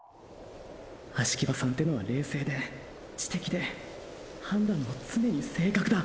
葦木場さんてのは冷静で知的で判断も常に正確だ。